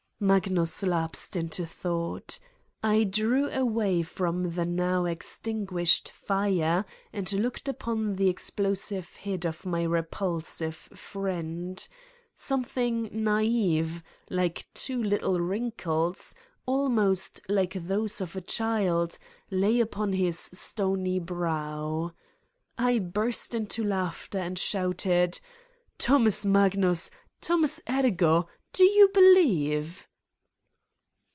Magnus lapsed into thought. I drew away from 227 Satan's Diary the now extinguished fire and looked upon the explosive head of my repulsive friend. ... Some thing naive, like two little wrinkles, almost like those of a child, lay upon his stony brow. I burst into laughter and shouted: '' Thomas Magnus ! Thomas Ergo ! Do you be lieve?"